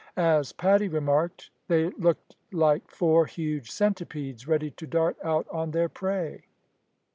As Paddy remarked, "They looked like four huge centipedes ready to dart out on their prey."